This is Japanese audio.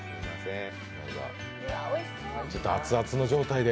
熱々の状態で。